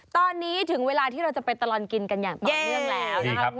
ตอนนี้ถึงเวลาที่เราจะไปตลอดกินกันอย่างต่อเนื่องแล้วนะครับ